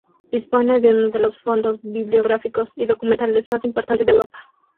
Dispone de uno de los fondos bibliográficos y documentales más importantes de Europa.